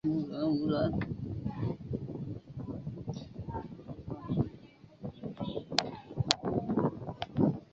佐贺县唐津市至伊万里市间沿东松浦半岛玄界滩而建。